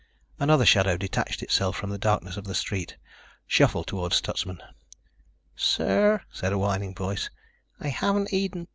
Another shadow detached itself from the darkness of the street, shuffled toward Stutsman. "Sir," said a whining voice, "I haven't eaten